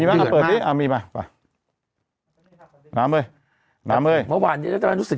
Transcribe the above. มีไหมอ่าเปิดนี้อ่ามีมาไปน้ำเว้ยน้ำเว้ยเมื่อวานนี้จะรู้สึก